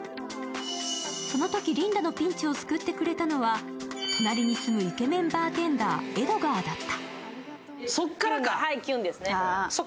そのとき、リンダのピンチを救ってくれたのは、隣に住むイケメンバーテンダー、江戸川だった。